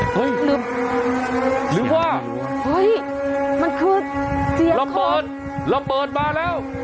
หรือว่าเฮ้ยมันคือเสียงระเบิดระเบิดมาแล้ว